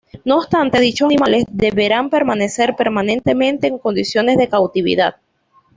No obstante dichos animales deberán permanecer permanentemente en condiciones de cautividad.